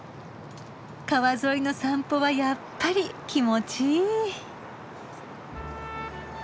川沿いの散歩はやっぱり気持ちいい。